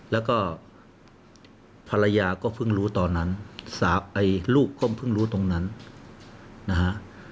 แล้วก็ภรรยาก็เพิ่งรู้ตอนนั้นลูกก็เพิ่งรู้ตรงนั้นนะฮะ